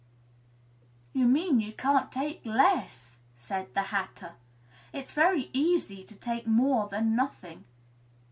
"You mean you can't take less," said the Hatter; "it's very easy to take more than nothing."